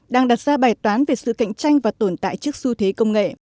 đang đặt ra bài toán về sự cạnh tranh và tồn tại trước xu thế công nghệ